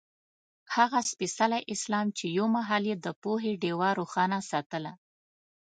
هغه سپېڅلی اسلام چې یو مهال یې د پوهې ډېوه روښانه ساتله.